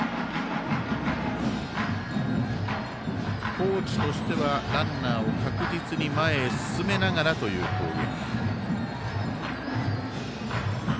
高知としてはランナーを確実に前へ進めながらという攻撃。